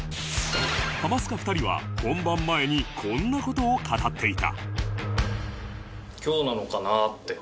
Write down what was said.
ハマスカ２人は本番前にこんな事を語っていた